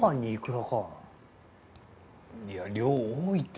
いや量多いって。